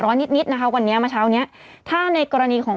เพื่อไม่ให้เชื้อมันกระจายหรือว่าขยายตัวเพิ่มมากขึ้น